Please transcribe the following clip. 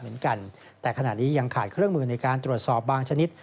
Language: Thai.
มันขาดเครื่องมือในการตรวจสอบบางชนิด